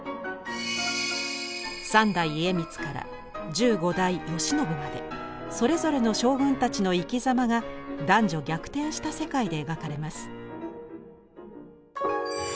三代家光から十五代慶喜までそれぞれの将軍たちの生きざまが男女逆転した世界で描かれます。